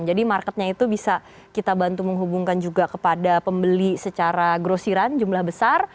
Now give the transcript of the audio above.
jadi marketnya itu bisa kita bantu menghubungkan juga kepada pembeli secara gross run jumlah besar